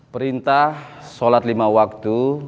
perintah sholat lima waktu